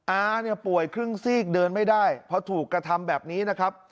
อาเนี่ยป่วยครึ่งซีกเดินไม่ได้เพราะถูกกระทำแบบนี้นะครับ